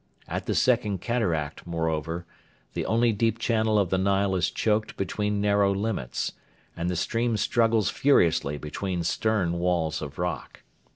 At the Second Cataract, moreover, the only deep channel of the Nile is choked between narrow limits, and the stream struggles furiously between stern walls of rock.